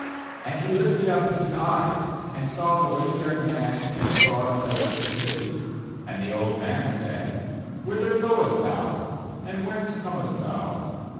17And he lifted up his eyes, and saw the wayfaring man in the broad place of the city ; and the old man said :' Whith er goest thou? and whence comest thou?'